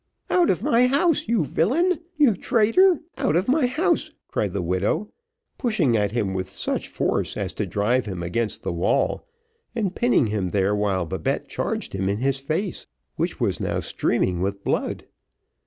"Out of my house, you villain! you traitor out of my house," cried the widow, pushing at him with such force as to drive him against the wall, and pinning him there while Babette charged him in his face which was now streaming with blood.